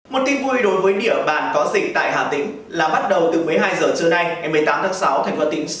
một tin vui đối với địa bàn có dịch tại hà tĩnh là bắt đầu từ một mươi hai h trưa nay ngày một mươi tám tháng sáu thành phố